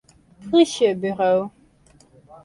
Plysjeburo.